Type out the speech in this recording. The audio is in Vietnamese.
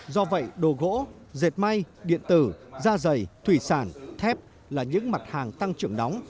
do vậy đồ gỗ dệt may điện tử da dày thủy sản thép là những mặt hàng tăng trưởng nóng